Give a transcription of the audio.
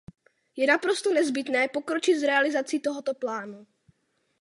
Je naprosto nezbytné pokročit s realizací tohoto plánu.